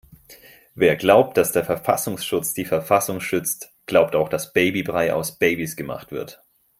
Wer glaubt, dass der Verfassungsschutz die Verfassung schützt, glaubt auch dass Babybrei aus Babys gemacht wird.